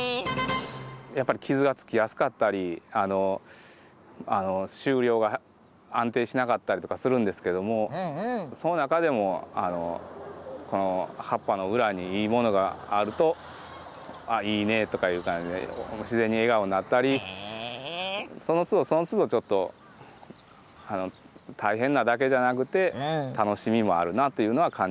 やっぱり傷がつきやすかったり収量が安定しなかったりとかするんですけどもその中でもこの葉っぱの裏にいいものがあるとあっいいねとかいう感じで自然に笑顔になったりそのつどそのつどちょっと実は今ぺっちん